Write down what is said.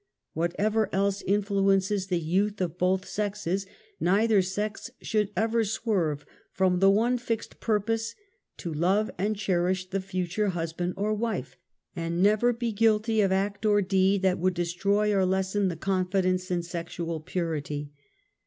What ever else influences the youth of both sexes, neither sex should ever swerve from the one fixed purpose to love and cherish the future husband or wife, and never be guilty of act or deed that would destroy or lessen the confidence in sexual purity.